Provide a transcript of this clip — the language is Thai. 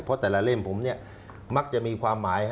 เพราะแต่ละเล่มผมเนี่ยมักจะมีความหมาย